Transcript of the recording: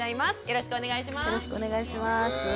よろしくお願いします。